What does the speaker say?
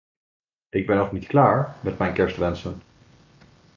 Ik ben nog niet klaar met mijn kerstwensen.